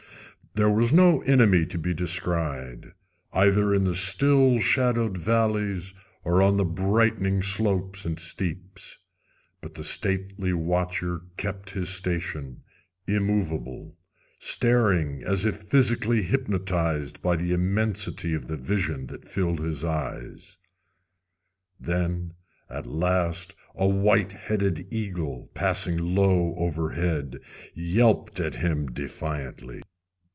There was no enemy to be descried, either in the still shadowed valleys or on the brightening slopes and steeps; but the stately watcher kept his station, immovable, staring as if physically hypnotized by the immensity of the vision that filled his eyes. Then at last a white headed eagle, passing low overhead, yelped at him defiantly.